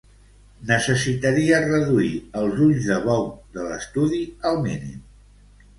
Necessitaria reduir els ulls de bou de l'estudi al mínim.